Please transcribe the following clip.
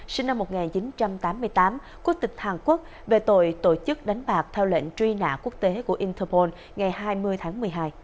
sinh năm một nghìn chín trăm tám mươi tám quốc tịch hàn quốc về tội tổ chức đánh bạc theo lệnh truy nã quốc tế của interpol ngày hai mươi tháng một mươi hai